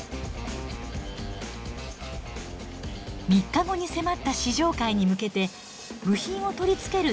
３日後に迫った試乗会に向けて部品を取り付ける